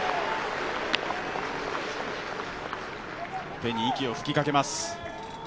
手に息を吹きかけます。